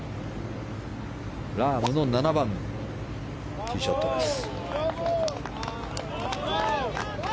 ラームの７番ティーショットです。